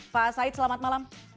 pak said selamat malam